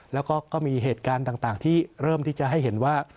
แล้วก็มีเหตุการณ์ต่างที่เริ่มที่จะให้เห็นว่า